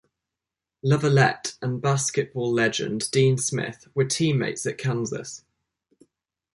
Lovellette and basketball legend Dean Smith were teammates at Kansas.